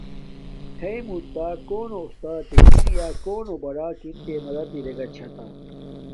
ہݵ مونتا کونو استاتکݣ یا کونو بڑاکنݣ تے مدد ارنݣ چھا تہ؟